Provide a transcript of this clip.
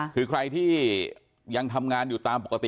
คือใครที่ยังทำงานอยู่ตามปกติ